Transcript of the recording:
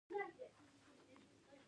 زه ستا پلار یم.